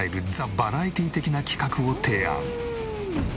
バラエティー的な企画を提案。